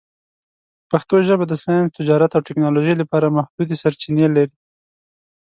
پښتو ژبه د ساینس، تجارت، او ټکنالوژۍ لپاره محدودې سرچینې لري.